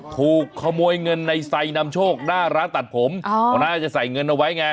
ถูกขโมยเงินในไซด์นำโชคหน้าร้านตัดผมเขาน่าจะใส่เงินเอาไว้ไง